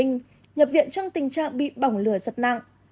nhập viện trong tình trạng bị bỏng lửa giật nặng